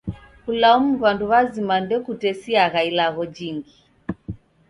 Kulaumu w'andu w'azima ndokutesiagha ilagho jingi.